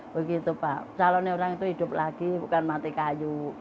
begitu pak calonnya orang itu hidup lagi bukan mati kayu